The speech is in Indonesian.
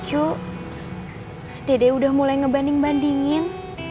cuk dede udah mulai ngebanding bandingin